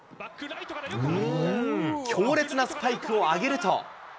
強烈なスパイクを上げると。